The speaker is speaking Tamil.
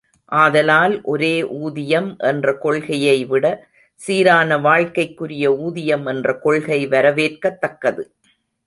ஆதலால் ஒரே ஊதியம் என்ற கொள்கையைவிட சீரான வாழ்க்கைக்குரிய ஊதியம் என்ற கொள்கை வரவேற்கத்தக்கது.